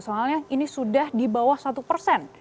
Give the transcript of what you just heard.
soalnya ini sudah di bawah satu persen